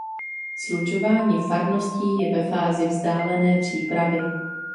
Slučování farností je ve fázi vzdálené přípravy.